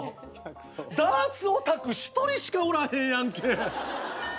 ダーツオタク１人しかおらへんやんけ！